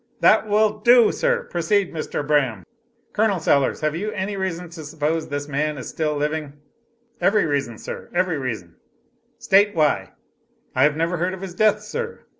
"That will DO sir! Proceed Mr. Braham." "Col. Sellers, have you any reason to suppose that this man is still living?" "Every reason, sir, every reason. "State why" "I have never heard of his death, sir.